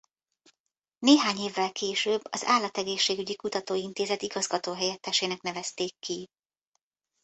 Néhány évvel később az Állategészségügyi Kutató Intézet igazgató-helyettesének nevezték ki.